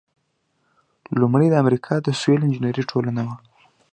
لومړۍ د امریکا د سیول انجینری ټولنه وه.